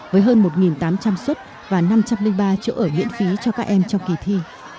với hơn một tám trăm linh suất và năm trăm linh ba chỗ ở miễn phí cho các em trong kỳ thi